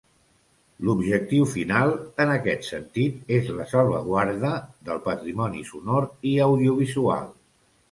L’objectiu final, en aquest sentit, és la salvaguarda del patrimoni sonor i audiovisual.